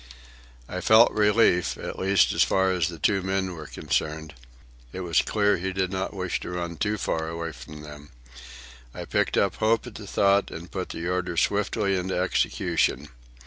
I felt relief, at least as far as the two men were concerned. It was clear he did not wish to run too far away from them. I picked up hope at the thought and put the order swiftly into execution.